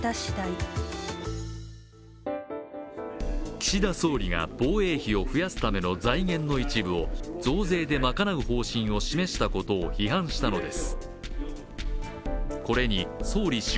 岸田総理が防衛費を増やすための財源の一部を増税で賄う方針を示したことを批判したのです